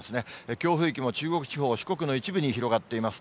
強風域も中国地方、四国の一部に広がっています。